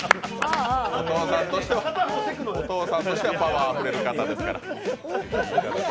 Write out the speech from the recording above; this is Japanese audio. お父さんとしてはパワーあふれる方ですから。